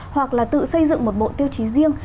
hoặc là tự xây dựng một bộ tiêu chí riêng